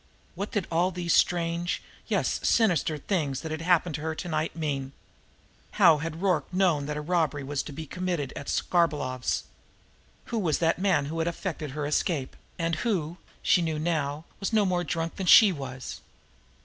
What did all these strange, yes, sinister, things that had happened to night mean? How had Rorke known that a robbery was to be committed at Skarbolov's? Who was that man who had effected her escape, and who, she knew now, was no more drunk than she was?